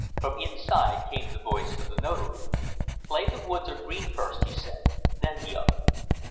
From inside came the voice of the Notary. "Play 'The Woods are Green' first," he said. "Then the other."